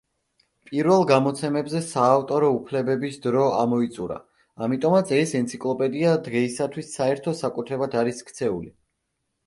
პირველ გამოცემებზე საავტორო უფლებების დრო ამოიწურა, ამიტომაც ეს ენციკლოპედია დღეისათვის საერთო საკუთრებად არის ქცეული.